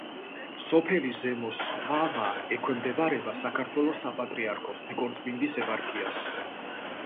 სოფელი ზემო სხვავა ექვემდებარება საქართველოს საპატრიარქოს ნიკორწმინდის ეპარქიას.